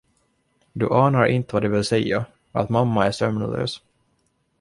Du anar inte vad det vill säga, att mamma är sömnlös.